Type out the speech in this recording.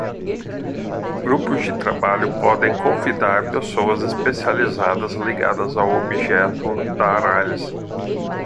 Grupos de trabalho podem convidar pessoas especializadas ligadas ao objeto da análise.